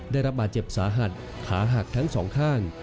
ได้รับบาดเจ็บสาหัสขาหักทั้งสองข้าง